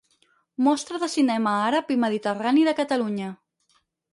Mostra de Cinema Àrab i Mediterrani de Catalunya.